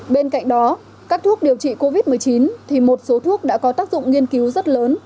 bên cạnh đó các thuốc điều trị covid một mươi chín thì một số thuốc đã có tác dụng nghiên cứu rất lớn